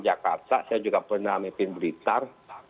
jakarta saya juga pernah memimpin blitar